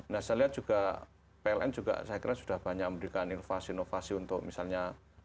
nah saya lihat juga pln juga saya kira sudah banyak memberikan inovasi inovasi untuk misalnya